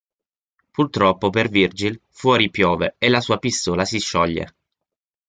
Purtroppo per Virgil, fuori piove e la sua pistola si scioglie.